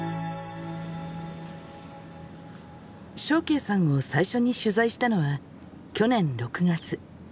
祥敬さんを最初に取材したのは去年６月。